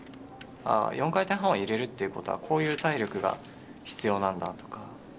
４回転半を入れるということはこういう体力が必要なんだとか。